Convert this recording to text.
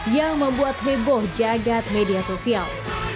yang membuat heboh jagad media sosial